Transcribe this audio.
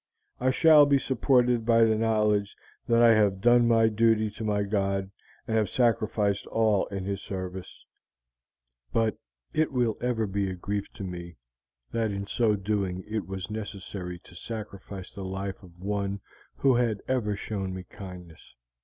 I shall be supported by the knowledge that I have done my duty to my god, and have sacrificed all in his service, but it will ever be a grief to me that in so doing it was necessary to sacrifice the life of one who had ever shown me kindness.